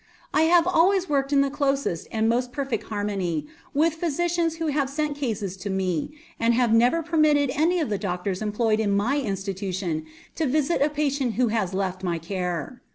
I have always worked in the closest and most perfect harmony with physicians who have sent cases to me and have never permitted any of the doctors employed in my institution to visit a patient who has left my care.